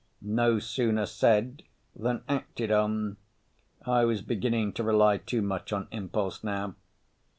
_ No sooner said than acted on—I was beginning to rely too much on impulse now.